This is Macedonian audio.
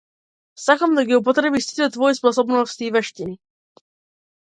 Сакам да ги употребиш сите твои способности и вештини.